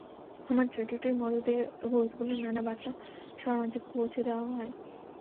আমার চরিত্রটির মধ্য দিয়ে গুরুত্বপূর্ণ নানা বার্তা সবার মাঝে পৌঁছে দেওয়া হয়।